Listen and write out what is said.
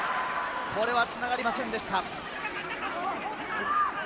これはつながりませんでした。